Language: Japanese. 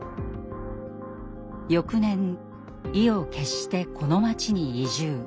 翌年意を決してこの町に移住。